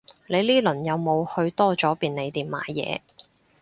你呢輪有冇去多咗便利店買嘢